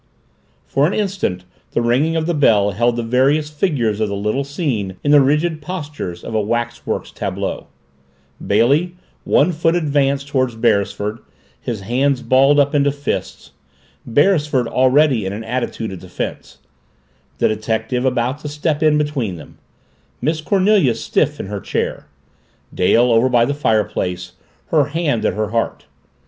For an instant the ringing of the bell held the various figures of the little scene in the rigid postures of a waxworks tableau Bailey, one foot advanced toward Beresford, his hands balled up into fists Beresford already in an attitude of defense the detective about to step in between them Miss Cornelia stiff in her chair Dale over by the fireplace, her hand at her heart.